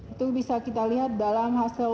itu bisa kita lihat dalam hasil